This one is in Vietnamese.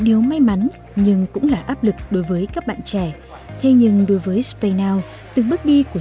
điều may mắn nhưng cũng là áp lực đối với các bạn trẻ thế nhưng đối với spaynow từng bước đi của